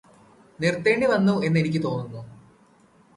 നിര്ത്തേണ്ടി വന്നു എന്ന് എനിക്ക് തോന്നുന്നു